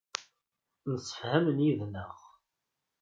Msefhamen yid-neɣ.